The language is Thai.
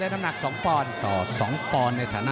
ต่อ๒ปอนต่อ๒ปอน